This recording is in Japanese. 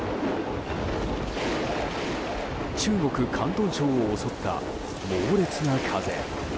中国・広東省を襲った猛烈な風。